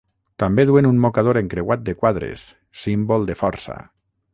També duen un mocador encreuat de quadres, símbol de força.